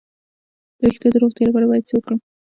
د ویښتو د روغتیا لپاره باید څه وکړم؟